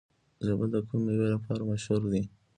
زابل د کومې میوې لپاره مشهور دی؟